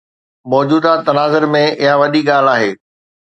موجوده تناظر ۾ اها وڏي ڳالهه آهي.